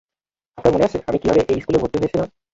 আপনার মনে আছে আমি কিভাবে এই স্কুলে ভর্তি হয়েছিলাম?